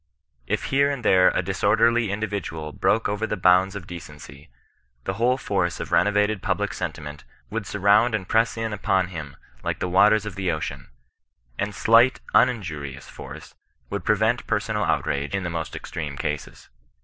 If here and there a disorderly individual broke over the boimds of decency, the whole force of renovated public sentiment would surround and press in upon him like the waters of the ocean, and slight uninjurious force would prevent personal outrage in the most extreme cases.